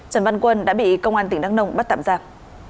trần văn quân đã bị công an tỉnh đắk nông bắt tạm giam